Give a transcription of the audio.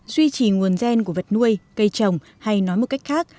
duy trì nguồn gen của vật nuôi cây trồng hay nói một cách khác